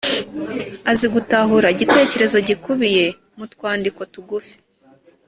azi gutahura igitekerezo gikubiye mu twandiko tugufi